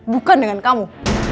bukan dengan kamu